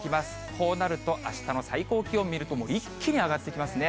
こうなるとあしたの最高気温を見ると、一気に上がってきますね。